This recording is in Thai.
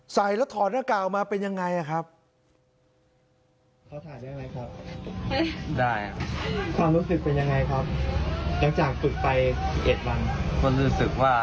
ใส่แล้วถอดหน้ากากออกมาเป็นยังไงครับ